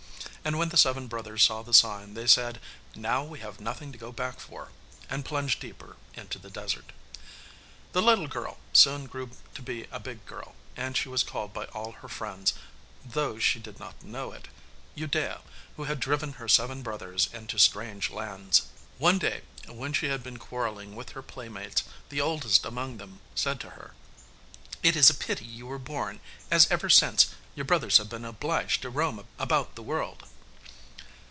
And when the seven brothers saw the sign they said, 'Now we have nothing to go back for,' and plunged deeper into the desert. The little girl soon grew to be a big girl, and she was called by all her friends (though she did not know it) 'Udea, who had driven her seven brothers into strange lands.' One day, when she had been quarrelling with her playmates, the oldest among them said to her, 'It is a pity you were born, as ever since, your brothers have been obliged to roam about the world.